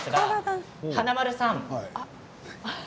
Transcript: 華丸さん